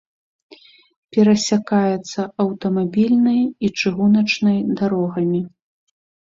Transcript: Перасякаецца аўтамабільнай і чыгуначнай дарогамі.